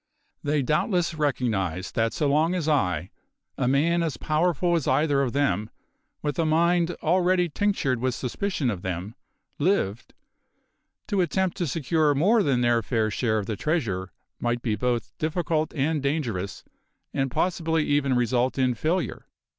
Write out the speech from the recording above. They doubtless recognised that so long as I a man as powerful as either of them, with a mind already tinctured with suspicion of them lived, to attempt to secure more than their fair share of the treasure might be both difficult and dangerous, and possibly even result in failure.